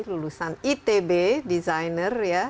lulusan itb desainer ya